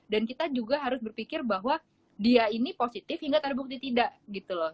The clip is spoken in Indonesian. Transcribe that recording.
dan kita juga harus berpikir bahwa dia ini positif hingga terbukti tidak gitu loh